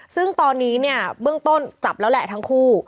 ซึ่งตอนนี้เนี่ยเบื้องต้นจับแล้วแหละทั้งคู่